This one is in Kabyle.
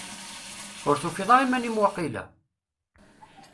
Ur tufiḍ ara iman-im, waqila?